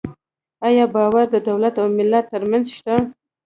آیا باور د دولت او ملت ترمنځ شته؟